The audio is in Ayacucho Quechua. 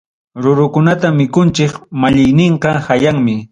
Rurukunata mikunchik, malliyninqa hayaqmi.